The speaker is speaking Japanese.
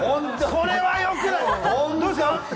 それは良くない！